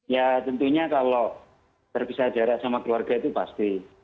ya tentunya kalau terpisah jarak sama keluarga itu pasti